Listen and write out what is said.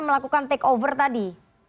melakukan take over tadi